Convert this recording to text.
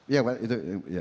iya pak itu